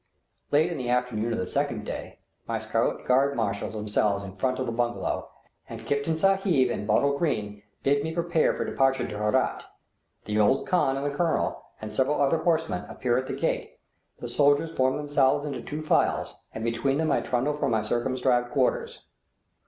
Late in the afternoon of the second clay my scarlet guard marshal themselves in front of the bungalow, and Kiftan Sahib and Bottle Green bid me prepare for departure to Herat. The old khan and the colonel, and several other horsemen, appear at the gate; the soldiers form themselves into two files, and between them I trundle from my circumscribed quarters.